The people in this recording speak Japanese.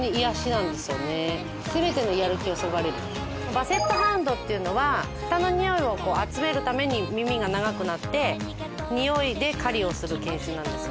バセット・ハウンドっていうのは下のにおいを集めるために耳が長くなってにおいで狩りをする犬種なんですよね。